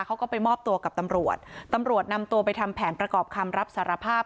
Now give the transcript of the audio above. เขาก็ไปมอบตัวกับตำรวจตำรวจนำตัวไปทำแผนประกอบคำรับสารภาพ